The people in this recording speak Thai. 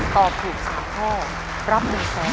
ตอบถูก๓ข้อรับ๑๐๐๐บาท